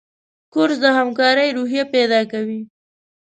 کورس د همکارۍ روحیه پیدا کوي.